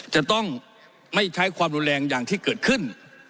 จะต้องไม่ใช้ความรุนแรงอย่างที่เกิดขึ้น